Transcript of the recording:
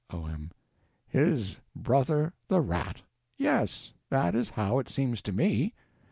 O.M. His brother the rat; yes, that is how it seems to me.